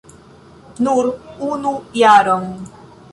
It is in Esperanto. Nur unu jaron!